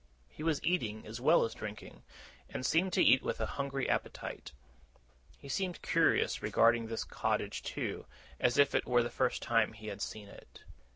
He was eating as well as drinking, and seemed to eat with a hungry appetite. He seemed curious regarding the cottage, too, as if it were the first time he had seen it.